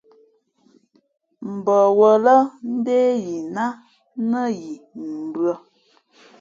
Mbαwᾱlᾱ ndé yī wᾱ nά yi mbʉ̄ᾱ.